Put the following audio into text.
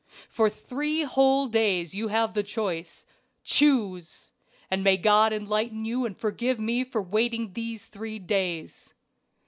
for three whole days you have the choice. Choose! and may God enlighten you and forgive me for waiting these three days.